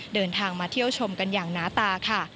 เดินทางมาเที่ยวชมกันอย่างหนาตาค่ะ